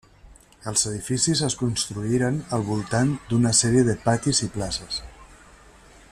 Els edificis es construïren al voltant d'una sèrie de patis i places.